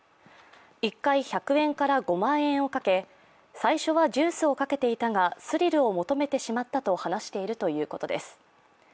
１回１００円から５万円をかけ、最初はジュースを賭けていたがスリルを求めてしまったと話しているということです。